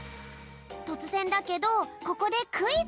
とつぜんだけどここでクイズだぴょん。